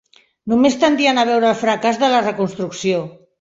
Només tendien a veure el fracàs de la Reconstrucció.